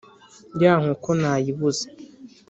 ya nkoko nayibuze"!